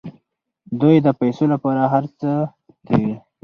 دوی د پیسو لپاره هر څه کوي.